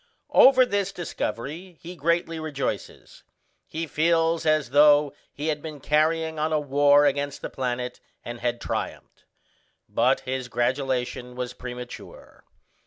Over this discovery he greatly rejoices. He feels as though he had been carrying on a war against the planet and had triumphed; but his gratulation was premature.